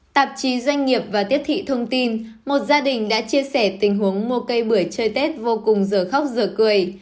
tạp chí doanh nghiệp và tiếp thị thông tin một gia đình đã chia sẻ tình huống mua cây bưởi chơi tết vô cùng giờ khóc giờ cười